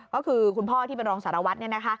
ก็คือคุณพ่อที่เป็นรองสารวัตร